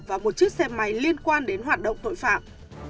và một chiếc xe máy liên quan đến hoạt động tội phạm